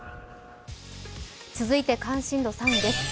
続いて関心度３位です。